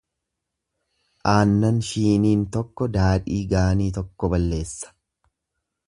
Aannan shiiniin tokko daadhii gaanii tokko balleessa.